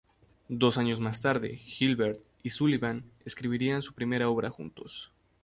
Dos años más tarde, Gilbert y Sullivan escribirían su primera obra juntos.